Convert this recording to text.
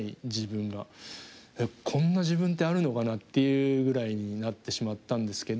こんな自分ってあるのかなっていうぐらいになってしまったんですけど。